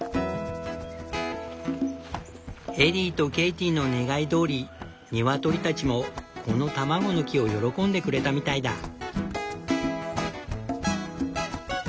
エリーとケイティの願いどおりニワトリたちもこの卵の木を喜んでくれたみたいだ。